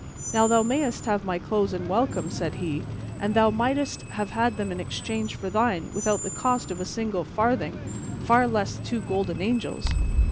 "Now thou mayst have my clothes and welcome," said he, "and thou mightest have had them in exchange for thine without the cost of a single farthing, far less two golden angels."